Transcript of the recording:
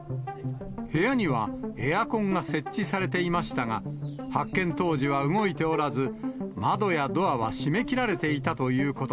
部屋にはエアコンが設置されていましたが、発見当時は動いておらず、窓やドアは閉めきられていたということ